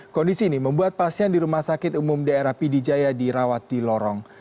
kondisi ini membuat pasien di rumah sakit umum daerah p d jaya dirawati lorong